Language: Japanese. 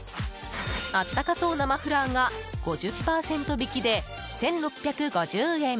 暖かそうなマフラーが５０％引きで１６５０円。